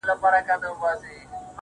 تېره جنازه سوله اوس ورا ته مخامخ يمه.